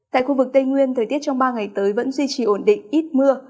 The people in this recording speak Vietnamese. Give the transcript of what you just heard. tại khu vực tây nguyên thời tiết trong ba ngày tới vẫn duy trì ổn định ít mưa